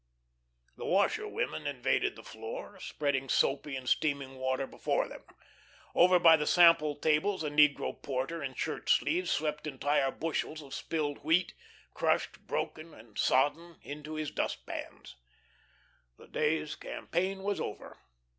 The washerwomen invaded the floor, spreading soapy and steaming water before them. Over by the sample tables a negro porter in shirt sleeves swept entire bushels of spilled wheat, crushed, broken, and sodden, into his dust pans. The day's campaign was over.